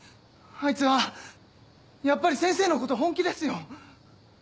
あいつはやっぱり先生のこと本気ですよ。